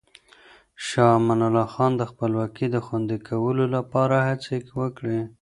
شاه امان الله خان د خپلواکۍ د خوندي کولو لپاره هڅې وکړې.